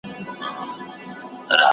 سندي څېړنه د پوهنتون د اصولو تابع وي.